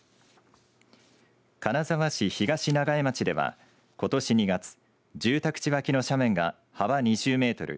金沢市東長江町はことし２月住宅地脇の斜面が幅２０メートル